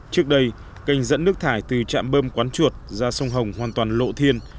trước đây cành dẫn nước thải từ chạm bơm quán chuột ra sông hồng hoàn toàn lộ thiên